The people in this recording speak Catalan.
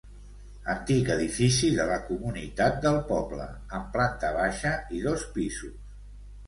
Antic edifici de la comunitat del poble, amb planta baixa i dos pisos.